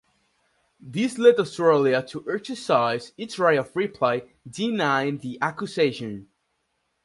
This led Australia to exercise its right of reply, denying the accusation.